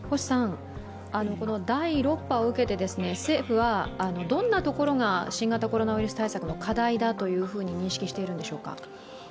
第６波を受けて、政府はどんなところが新型コロナウイルス対策の課題だと認識しているんでしょうか。